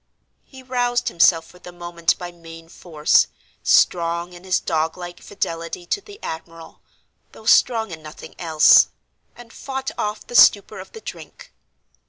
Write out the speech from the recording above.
He roused himself for the moment by main force—strong in his dog like fidelity to the admiral, though strong in nothing else—and fought off the stupor of the drink.